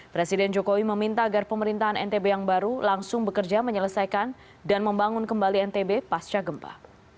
presiden jokowi meminta agar pemerintahan ntb yang baru langsung bekerja menyelesaikan dan membangun kembali ntb pasca gempa